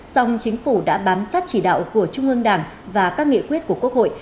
song chính phủ đã bám sát chỉ đạo của trung ương đảng và các nghị quyết của quốc hội